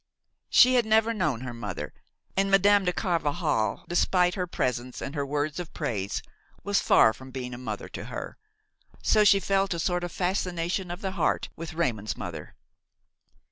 She had never known her mother, and Madame de Carvajal, despite her presents and her words of praise, was far from being a mother to her; so she felt a sort of fascination of the heart with Raymon's mother.